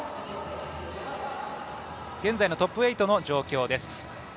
現在のトップ８の状況です。